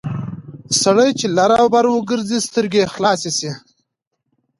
سړی چې لر او بر وګرځي سترګې یې خلاصې شي...